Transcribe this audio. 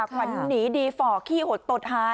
ขวัญหนีดีฝ่อขี้หดตดหา